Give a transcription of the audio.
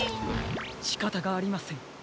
しかたがありません。